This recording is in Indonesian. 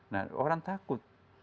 nah orang takut